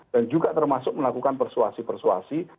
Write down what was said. dan juga termasuk melakukan persuasi persuasi